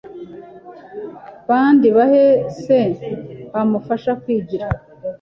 Bandi bahe se bamufasha kwigira